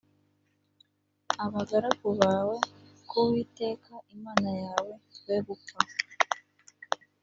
abagaragu bawe ku uwiteka imana yawe twe gupfa